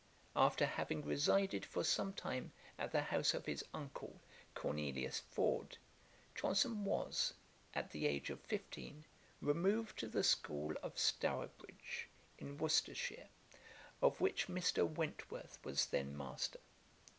After having resided for some time at the house of his uncle, Cornelius Ford, Johnson was, at the age of fifteen, removed to the school of Stourbridge, in Worcestershire, of which Mr. Wentworth was then master.